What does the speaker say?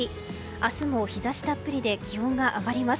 明日も日差したっぷりで気温が上がります。